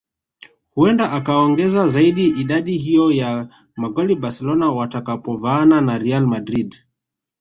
Huenda akaongeza zaidi idadi hiyo ya magoli Barcelona watakapovaana na Real Madrid